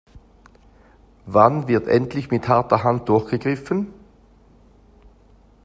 Wann wird endlich mit harter Hand durchgegriffen?